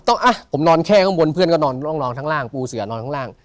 อ่ะผมนอนแค่ข้างบนเพื่อนก็นอนร่องนอนข้างล่างปูเสือนอนข้างล่าง